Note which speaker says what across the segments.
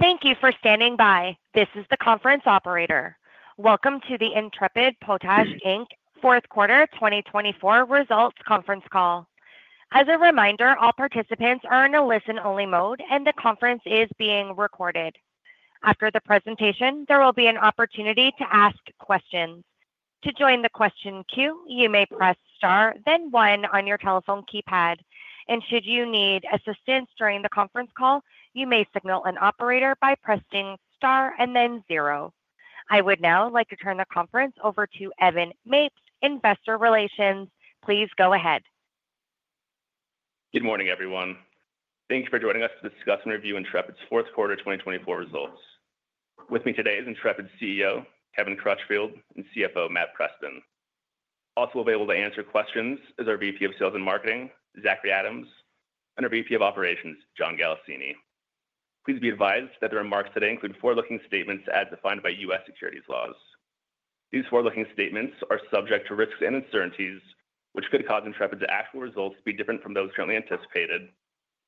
Speaker 1: Thank you for standing by. This is the conference operator. Welcome to the Intrepid Potash Q4 2024 Results Conference Call. As a reminder, all participants are in a listen-only mode, and the conference is being recorded. After the presentation, there will be an opportunity to ask questions. To join the question queue, you may press star, then one on your telephone keypad. Should you need assistance during the conference call, you may signal an operator by pressing star and then zero. I would now like to turn the conference over to Evan Mapes, Investor Relations. Please go ahead.
Speaker 2: Good morning, everyone. Thank you for joining us to discuss and review Intrepid's fourth quarter 2024 results. With me today is Intrepid's CEO, Kevin Crutchfield, and CFO, Matt Preston. Also available to answer questions is our VP of Sales and Marketing, Zachary Adams, and our VP of Operations, John Galassini. Please be advised that the remarks today include forward-looking statements as defined by U.S. securities laws. These forward-looking statements are subject to risks and uncertainties, which could cause Intrepid's actual results to be different from those currently anticipated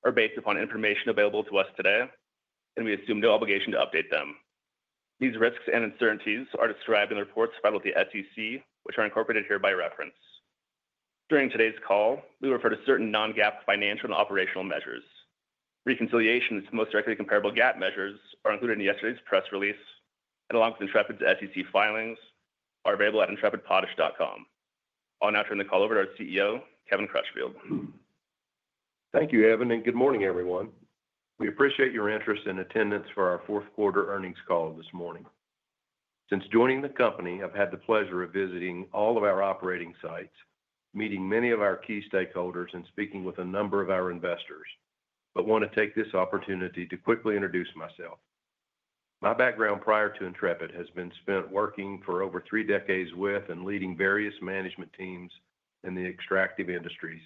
Speaker 2: or based upon information available to us today, and we assume no obligation to update them. These risks and uncertainties are described in the reports filed with the SEC, which are incorporated here by reference. During today's call, we refer to certain non-GAAP financial and operational measures. Reconciliations to most directly comparable GAAP measures are included in yesterday's press release and, along with Intrepid's SEC filings, are available at intrepidpotash.com. I'll now turn the call over to our CEO, Kevin Crutchfield.
Speaker 3: Thank you, Evan, and good morning, everyone. We appreciate your interest and attendance for our fourth quarter earnings call this morning. Since joining the company, I've had the pleasure of visiting all of our operating sites, meeting many of our key stakeholders, and speaking with a number of our investors, but want to take this opportunity to quickly introduce myself. My background prior to Intrepid has been spent working for over three decades with and leading various management teams in the extractive industries,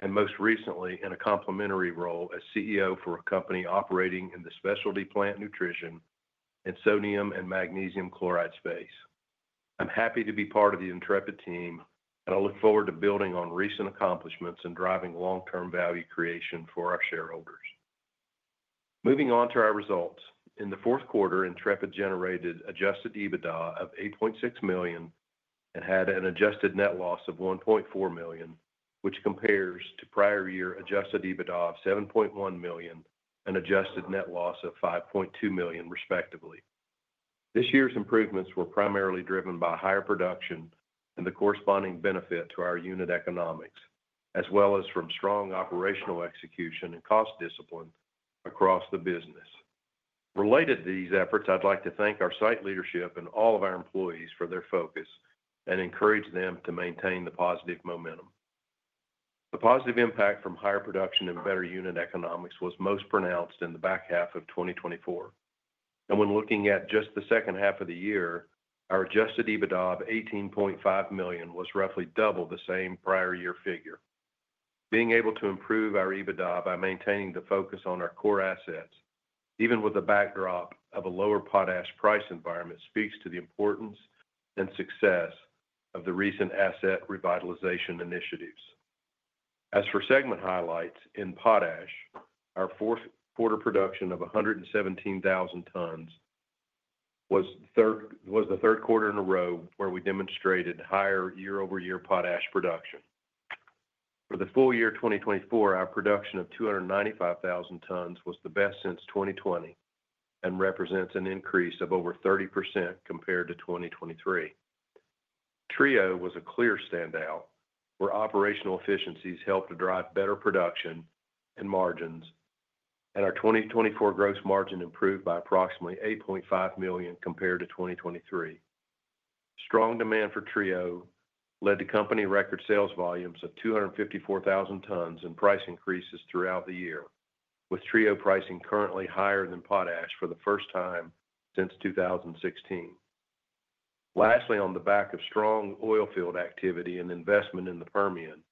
Speaker 3: and most recently in a complementary role as CEO for a company operating in the specialty plant nutrition and sodium and magnesium chloride space. I'm happy to be part of the Intrepid team, and I look forward to building on recent accomplishments and driving long-term value creation for our shareholders. Moving on to our results, in the Q4, Intrepid generated adjusted EBITDA of $8.6 million and had an adjusted net loss of $1.4 million, which compares to prior year adjusted EBITDA of $7.1 million and adjusted net loss of $5.2 million, respectively. This year's improvements were primarily driven by higher production and the corresponding benefit to our unit economics, as well as from strong operational execution and cost discipline across the business. Related to these efforts, I'd like to thank our site leadership and all of our employees for their focus and encourage them to maintain the positive momentum. The positive impact from higher production and better unit economics was most pronounced in the back half of 2024. When looking at just the second half of the year, our adjusted EBITDA of $18.5 million was roughly double the same prior year figure. Being able to improve our EBITDA by maintaining the focus on our core assets, even with a backdrop of a lower Potash price environment, speaks to the importance and success of the recent asset revitalization initiatives. As for segment highlights in Potash, our fourth quarter production of 117,000 tons was the third quarter in a row where we demonstrated higher year-over-year Potash production. For the full year 2024, our production of 295,000 tons was the best since 2020 and represents an increase of over 30% compared to 2023. Trio was a clear standout where operational efficiencies helped to drive better production and margins, and our 2024 gross margin improved by approximately $8.5 million compared to 2023. Strong demand for Trio led to company record sales volumes of 254,000 tons and price increases throughout the year, with Trio pricing currently higher than Potash for the first time since 2016. Lastly, on the back of strong oilfield activity and investment in the Permian,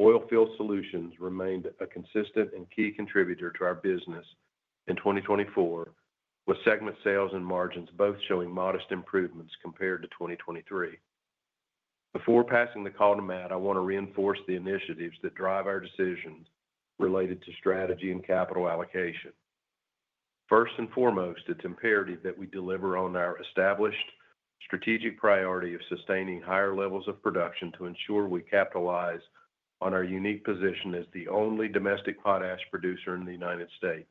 Speaker 3: Oilfield Solutions remained a consistent and key contributor to our business in 2024, with segment sales and margins both showing modest improvements compared to 2023. Before passing the call to Matt, I want to reinforce the initiatives that drive our decisions related to strategy and capital allocation. First and foremost, it's imperative that we deliver on our established strategic priority of sustaining higher levels of production to ensure we capitalize on our unique position as the only domestic Potash producer in the United States.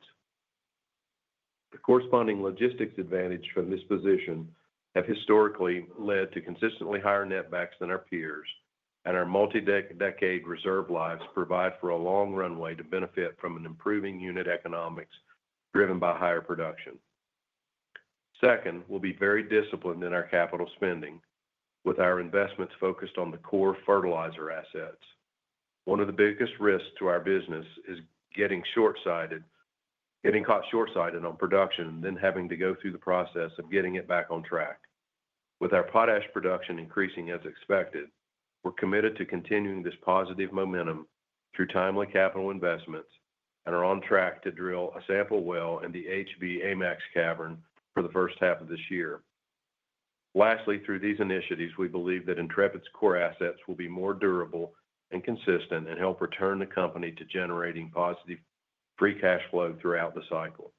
Speaker 3: The corresponding logistics advantage from this position has historically led to consistently higher netbacks than our peers, and our multi-decade reserve lives provide for a long runway to benefit from an improving unit economics driven by higher production. Second, we'll be very disciplined in our capital spending, with our investments focused on the core fertilizer assets. One of the biggest risks to our business is getting caught shortsighted on production and then having to go through the process of getting it back on track. With our Potash production increasing as expected, we're committed to continuing this positive momentum through timely capital investments and are on track to drill a sample well in the HB AMAX cavern for the first half of this year. Lastly, through these initiatives, we believe that Intrepid's core assets will be more durable and consistent and help return the company to generating positive free cash flow throughout the cycle.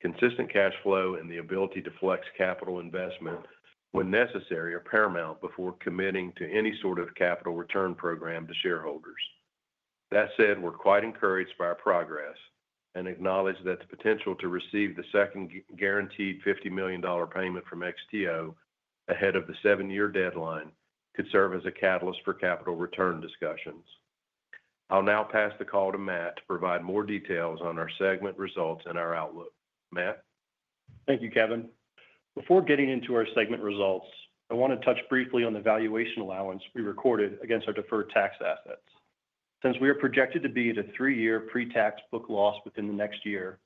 Speaker 3: Consistent cash flow and the ability to flex capital investment when necessary are paramount before committing to any sort of capital return program to shareholders. That said, we're quite encouraged by our progress and acknowledge that the potential to receive the second guaranteed $50 million payment from XTO ahead of the seven-year deadline could serve as a catalyst for capital return discussions. I'll now pass the call to Matt to provide more details on our segment results and our outlook. Matt.
Speaker 4: Thank you, Kevin. Before getting into our segment results, I want to touch briefly on the valuation allowance we recorded against our deferred tax assets. Since we are projected to be at a three-year pre-tax book loss within the next year,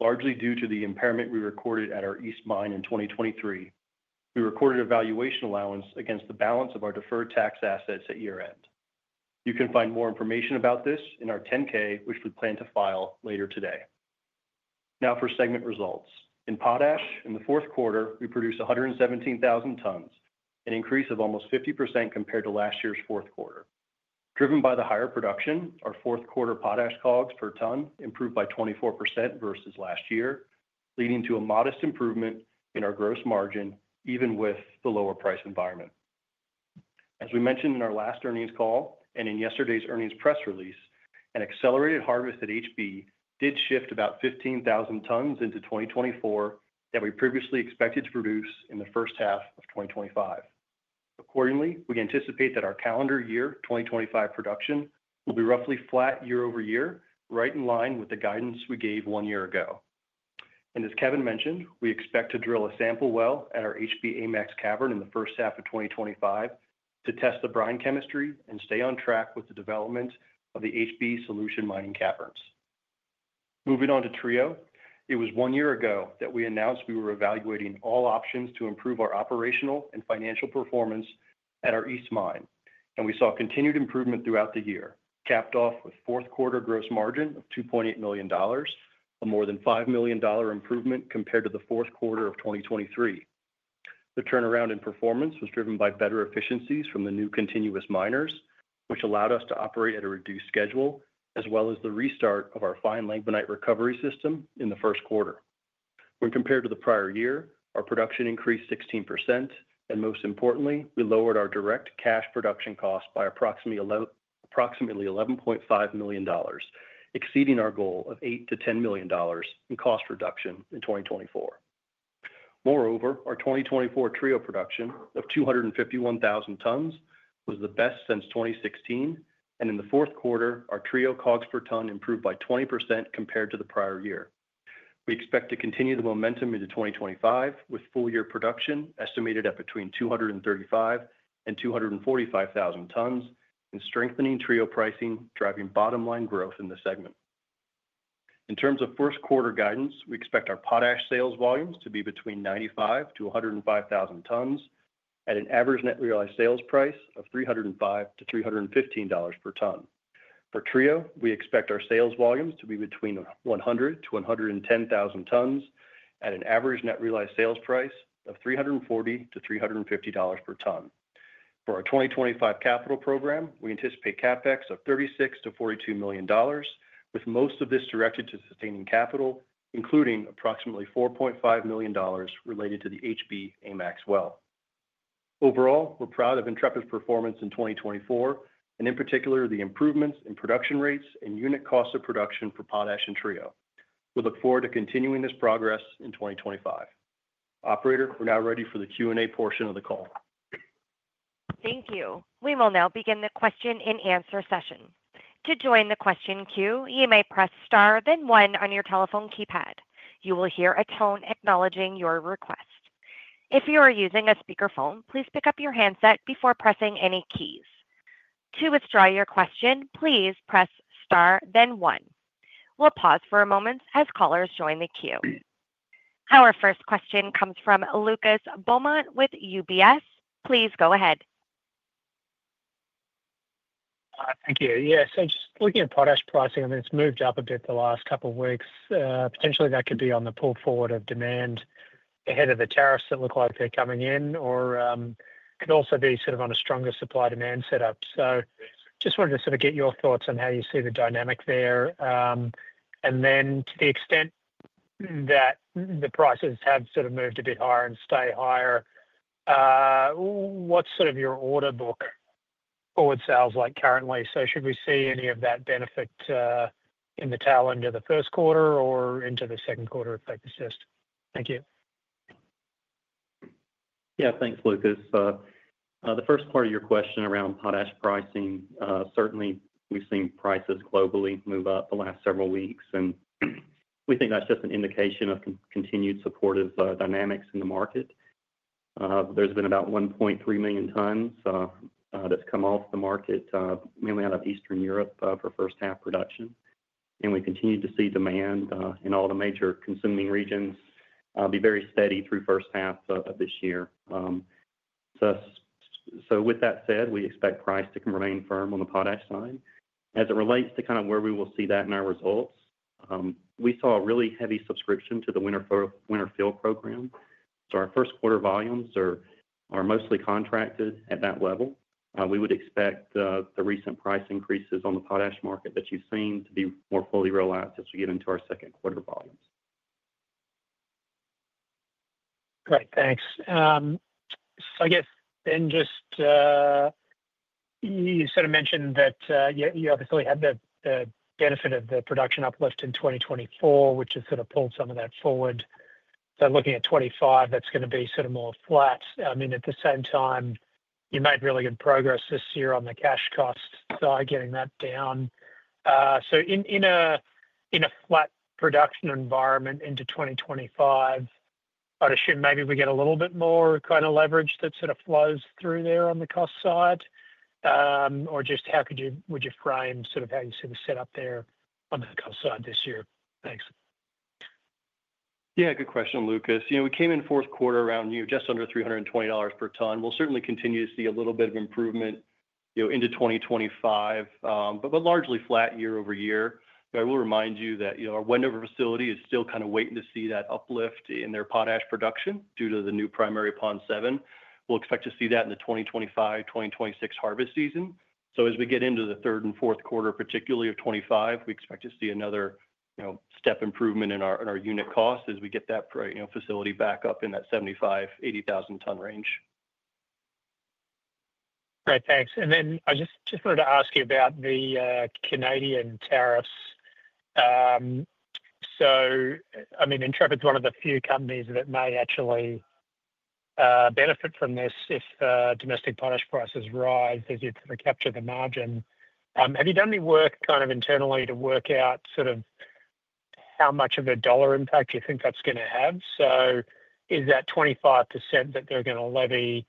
Speaker 4: largely due to the impairment we recorded at our East Mine in 2023, we recorded a valuation allowance against the balance of our deferred tax assets at year-end. You can find more information about this in our 10-K, which we plan to file later today. Now for segment results. In Potash, in the Q4, we produced 117,000 tons, an increase of almost 50% compared to last year's fourth quarter. Driven by the higher production, our fourth quarter Potash COGS per ton improved by 24% versus last year, leading to a modest improvement in our gross margin, even with the lower price environment. As we mentioned in our last earnings call and in yesterday's earnings press release, an accelerated harvest at HB did shift about 15,000 tons into 2024 that we previously expected to produce in the first half of 2025. Accordingly, we anticipate that our calendar year 2025 production will be roughly flat year-over-year, right in line with the guidance we gave one year ago. As Kevin mentioned, we expect to drill a sample well at our HB AMAX cavern in the first half of 2025 to test the brine chemistry and stay on track with the development of the HB Solution Mining Caverns. Moving on to Trio, it was one year ago that we announced we were evaluating all options to improve our operational and financial performance at our East Mine, and we saw continued improvement throughout the year, capped off with fourth quarter gross margin of $2.8 million, a more than $5 million improvement compared to the fourth quarter of 2023. The turnaround in performance was driven by better efficiencies from the new continuous miners, which allowed us to operate at a reduced schedule, as well as the restart of our fine langbeinite recovery system in the first quarter. When compared to the prior year, our production increased 16%, and most importantly, we lowered our direct cash production costs by approximately $11.5 million, exceeding our goal of $8-$10 million in cost reduction in 2024. Moreover, our 2024 Trio production of 251,000 tons was the best since 2016, and in the fourth quarter, our Trio COGS per ton improved by 20% compared to the prior year. We expect to continue the momentum into 2025 with full year production estimated at between 235,000 and 245,000 tons and strengthening Trio pricing, driving bottom-line growth in the segment. In terms of first quarter guidance, we expect our Potash sales volumes to be between 95,000-105,000 tons at an average net realized sales price of $305-$315 per ton. For Trio, we expect our sales volumes to be between 100,000-110,000 tons at an average net realized sales price of $340-$350 per ton. For our 2025 capital program, we anticipate CapEx of $36-$42 million, with most of this directed to sustaining capital, including approximately $4.5 million related to the HB AMAX well. Overall, we're proud of Intrepid's performance in 2024, and in particular, the improvements in production rates and unit costs of production for Potash and Trio. We look forward to continuing this progress in 2025. Operator, we're now ready for the Q&A portion of the call.
Speaker 1: Thank you. We will now begin the question and answer session. To join the question queue, you may press star, then one on your telephone keypad. You will hear a tone acknowledging your request. If you are using a speakerphone, please pick up your handset before pressing any keys. To withdraw your question, please press star, then one. We'll pause for a moment as callers join the queue. Our first question comes from Lucas Beaumont with UBS. Please go ahead.
Speaker 5: Thank you. Yeah, just looking at Potash pricing, I mean, it's moved up a bit the last couple of weeks. Potentially, that could be on the pull forward of demand ahead of the tariffs that look like they're coming in, or could also be sort of on a stronger supply-demand setup. Just wanted to sort of get your thoughts on how you see the dynamic there. To the extent that the prices have sort of moved a bit higher and stay higher, what's sort of your order book forward sales like currently? Should we see any of that benefit in the tail end of the first quarter or into the second quarter, if they persist? Thank you.
Speaker 6: Yeah, thanks, Lucas. The first part of your question around Potash pricing, certainly we've seen prices globally move up the last several weeks, and we think that's just an indication of continued supportive dynamics in the market. There's been about 1.3 million tons that's come off the market, mainly out of Eastern Europe, for first-half production. We continue to see demand in all the major consuming regions be very steady through first half of this year. With that said, we expect price to remain firm on the Potash side. As it relates to kind of where we will see that in our results, we saw a really heavy subscription to the winter field program. Our first quarter volumes are mostly contracted at that level. We would expect the recent price increases on the Potash market that you've seen to be more fully realized as we get into our second quarter volumes.
Speaker 5: Great. Thanks. I guess then just you sort of mentioned that you obviously had the benefit of the production uplift in 2024, which has sort of pulled some of that forward. Looking at 2025, that's going to be sort of more flat. I mean, at the same time, you made really good progress this year on the cash cost side getting that down. In a flat production environment into 2025, I'd assume maybe we get a little bit more kind of leverage that sort of flows through there on the cost side. How could you, would you frame sort of how you see the setup there on the cost side this year? Thanks.
Speaker 6: Yeah, good question, Lucas. We came in Q4 around just under $320 per ton. We'll certainly continue to see a little bit of improvement into 2025, but largely flat year over year. I will remind you that our Wendover facility is still kind of waiting to see that uplift in their Potash production due to the new primary Pond 7. We'll expect to see that in the 2025-2026 harvest season. As we get into the third and fourth quarter, particularly of 2025, we expect to see another step improvement in our unit costs as we get that facility back up in that 75,000-80,000 ton range.
Speaker 5: Great. Thanks. I just wanted to ask you about the Canadian tariffs. I mean, Intrepid's one of the few companies that may actually benefit from this if domestic Potash prices rise as you sort of capture the margin. Have you done any work kind of internally to work out sort of how much of a dollar impact you think that's going to have? Is that 25% that they're going to levy?.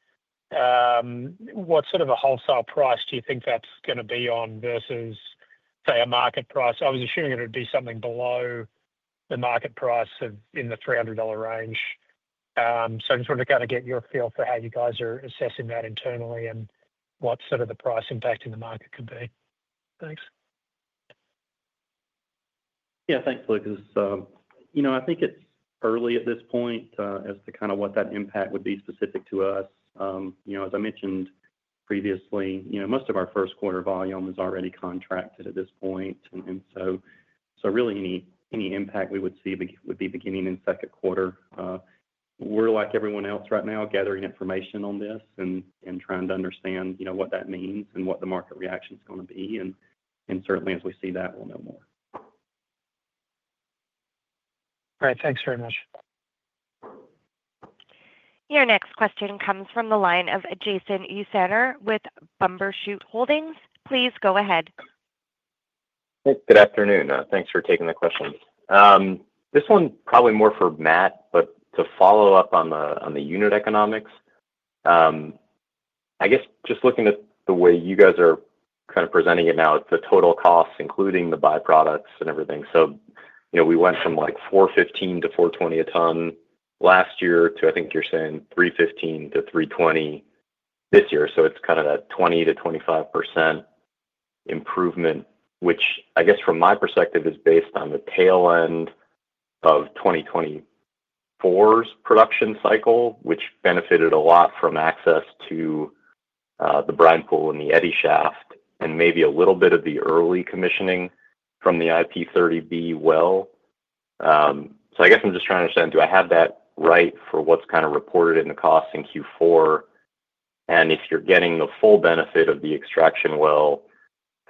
Speaker 5: What sort of a wholesale price do you think that's going to be on versus, say, a market price? I was assuming it would be something below the market price in the $300 range. I just wanted to kind of get your feel for how you guys are assessing that internally and what sort of the price impact in the market could be. Thanks.
Speaker 4: Yeah, thanks, Lucas. I think it's early at this point as to kind of what that impact would be specific to us. As I mentioned previously, most of our first quarter volume is already contracted at this point. Really any impact we would see would be beginning in second quarter. We're like everyone else right now, gathering information on this and trying to understand what that means and what the market reaction is going to be. Certainly, as we see that, we'll know more.
Speaker 5: All right. Thanks very much.
Speaker 1: Your next question comes from the line of Jason Ursaner with Bumbershoot Holdings. Please go ahead.
Speaker 7: Hey, good afternoon. Thanks for taking the question. This one probably more for Matt, but to follow up on the unit economics, I guess just looking at the way you guys are kind of presenting it now, it's the total cost, including the byproducts and everything. We went from like $415-$420 a ton last year to. I think you're saying, $315-$320 this year. It's kind of that 20%-25% improvement, which I guess from my perspective is based on the tail end of 2024's production cycle, which benefited a lot from access to the brine pool and the Eddy Shaft and maybe a little bit of the early commissioning from the IP-30B well. I guess I'm just trying to understand, do I have that right for what's kind of reported in the cost in Q4? If you're getting the full benefit of the extraction well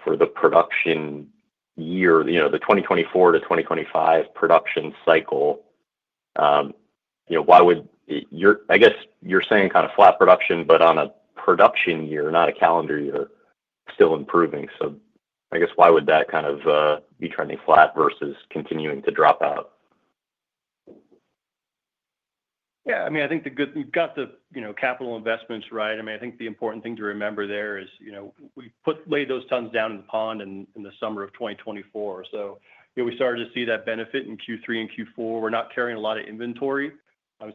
Speaker 7: for the production year, the 2024 to 2025 production cycle, why would I guess you're saying kind of flat production, but on a production year, not a calendar year, still improving. I guess why would that kind of be trending flat versus continuing to drop out?
Speaker 6: Yeah. I mean, I think the good, you've got the capital investments, right? I mean, I think the important thing to remember there is we laid those tons down in the pond in the summer of 2024. We started to see that benefit in Q3 and Q4. We're not carrying a lot of inventory.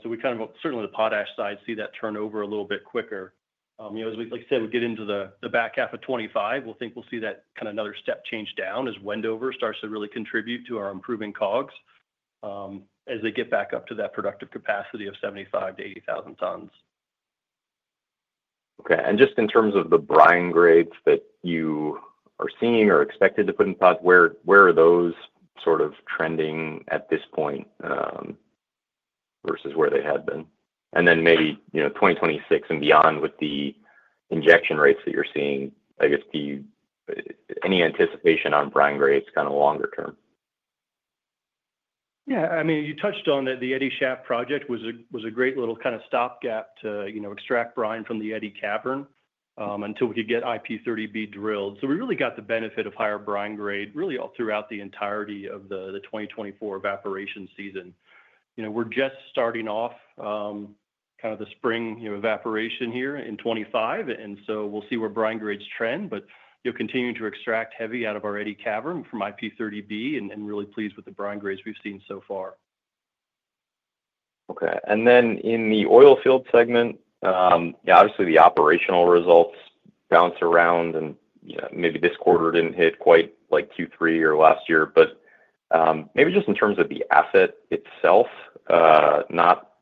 Speaker 6: We kind of certainly on the Potash side see that turnover a little bit quicker. As we said, as we get into the back half of 2025, we think we'll see that kind of another step change down as Wendover starts to really contribute to our improving COGS as they get back up to that productive capacity of 75,000-80,000 tons.
Speaker 7: Okay. Just in terms of the brine grades that you are seeing or expected to put in pots, where are those sort of trending at this point versus where they had been? Maybe 2026 and beyond with the injection rates that you're seeing, I guess, any anticipation on brine grades kind of longer term?
Speaker 6: Yeah. I mean, you touched on that the Eddy Shaft project was a great little kind of stopgap to extract brine from the Eddy Cavern until we could get IP-30B drilled. So we really got the benefit of higher brine grade really all throughout the entirety of the 2024 evaporation season. We're just starting off kind of the spring evaporation here in 2025, and so we'll see where brine grades trend, but continue to extract heavy out of our Eddy Cavern from IP-30B and really pleased with the brine grades we've seen so far.
Speaker 7: Okay. In the oilfield segment, yeah, obviously the operational results bounced around, and maybe this quarter did not hit quite like Q3 or last year, but maybe just in terms of the asset itself, not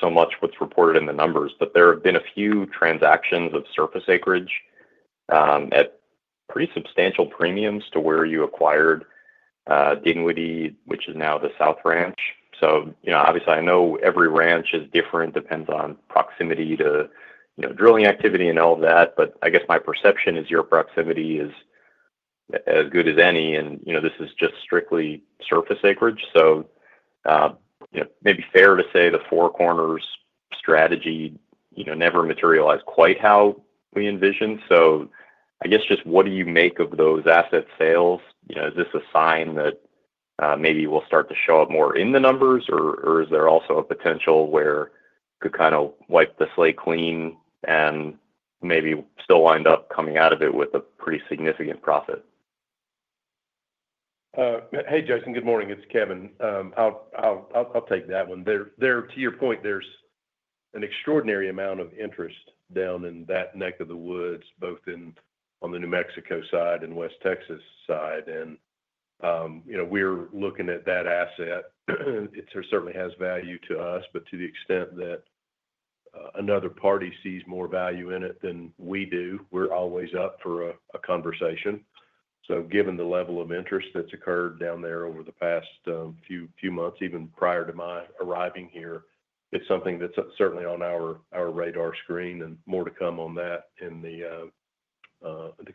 Speaker 7: so much what is reported in the numbers, but there have been a few transactions of surface acreage at pretty substantial premiums to where you acquired Dinwiddie, which is now the South Ranch. Obviously, I know every ranch is different. It depends on proximity to drilling activity and all of that, but I guess my perception is your proximity is as good as any, and this is just strictly surface acreage. Maybe fair to say the Four Corners strategy never materialized quite how we envisioned. I guess just what do you make of those asset sales? Is this a sign that maybe we'll start to show up more in the numbers, or is there also a potential where you could kind of wipe the slate clean and maybe still wind up coming out of it with a pretty significant profit?
Speaker 3: Hey, Jason, good morning. It's Kevin. I'll take that one. To your point, there's an extraordinary amount of interest down in that neck of the woods, both on the New Mexico side and West Texas side. We're looking at that asset. It certainly has value to us, but to the extent that another party sees more value in it than we do, we're always up for a conversation. Given the level of interest that's occurred down there over the past few months, even prior to my arriving here, it's something that's certainly on our radar screen and more to come on that in the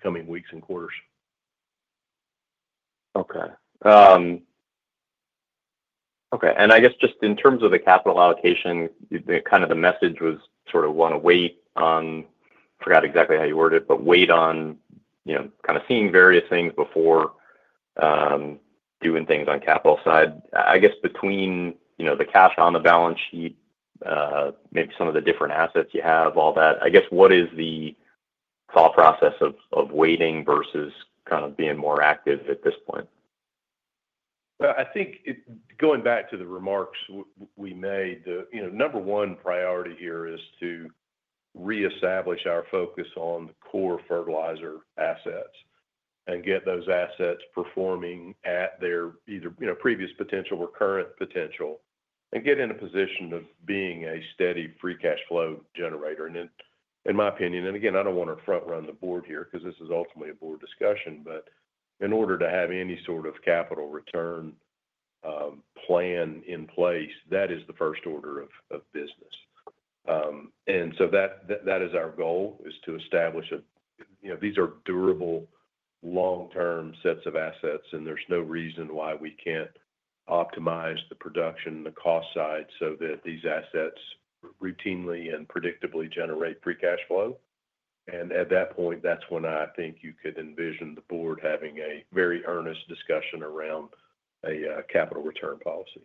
Speaker 3: coming weeks and quarters.
Speaker 7: Okay. Okay. I guess just in terms of the capital allocation, kind of the message was sort of want to wait on—I forgot exactly how you worded it—but wait on kind of seeing various things before doing things on the capital side. I guess between the cash on the balance sheet, maybe some of the different assets you have, all that, I guess what is the thought process of waiting versus kind of being more active at this point?
Speaker 3: I think going back to the remarks we made, number one priority here is to reestablish our focus on core fertilizer assets and get those assets performing at their either previous potential or current potential and get in a position of being a steady free cash flow generator. In my opinion—and again. I don't want to front-run the board here because this is ultimately a board discussion—in order to have any sort of capital return plan in place, that is the first order of business. That is our goal, to establish these are durable, long-term sets of assets, and there's no reason why we can't optimize the production and the cost side so that these assets routinely and predictably generate free cash flow. At that point, that's when I think you could envision the board having a very earnest discussion around a capital return policy.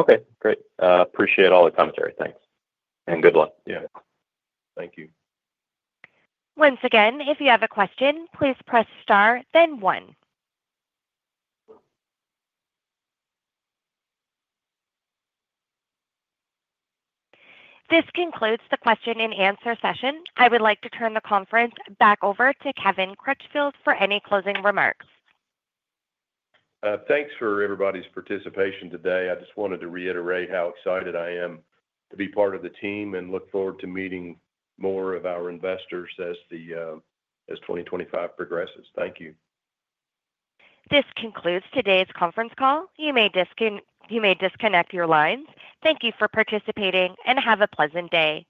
Speaker 7: Okay. Great. Appreciate all the commentary. Thanks. Good luck.
Speaker 6: Yeah. Thank you.
Speaker 1: Once again, if you have a question, please press star, then one. This concludes the question and answer session. I would like to turn the conference back over to Kevin Crutchfield for any closing remarks.
Speaker 3: Thanks for everybody's participation today. I just wanted to reiterate how excited I am to be part of the team and look forward to meeting more of our investors as 2025 progresses. Thank you.
Speaker 1: This concludes today's conference call. You may disconnect your lines. Thank you for participating and have a pleasant day.